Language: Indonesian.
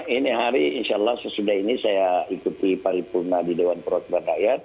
ini hari insya allah sesudah ini saya ikuti paripurna di dewan perwakilan rakyat